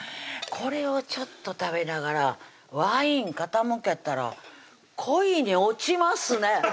これをちょっと食べながらワイン傾けたら恋に落ちますね！